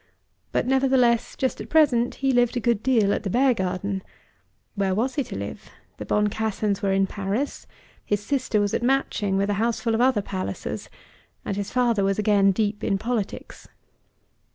But nevertheless, just at present, he lived a good deal at the Beargarden. Where was he to live? The Boncassens were in Paris, his sister was at Matching with a houseful of other Pallisers, and his father was again deep in politics.